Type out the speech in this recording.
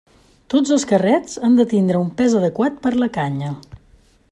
Tots els carrets han de tindre un pes adequat per la canya.